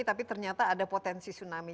tapi ternyata ada potensi tsunami